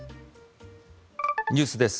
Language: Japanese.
ニュースです